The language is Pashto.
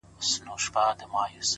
دي ښاد سي د ځواني دي خاوري نه سي;